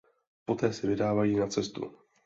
Poté se vydávají na cestu.